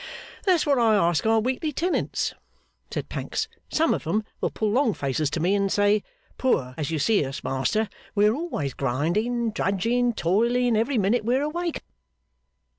'That's what I ask our weekly tenants,' said Pancks. 'Some of 'em will pull long faces to me, and say, Poor as you see us, master, we're always grinding, drudging, toiling, every minute we're awake.